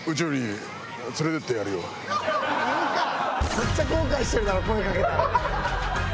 めっちゃ後悔してるだろ声かけたの。